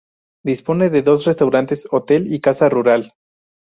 Dispone de dos restaurantes, hotel y casa rural.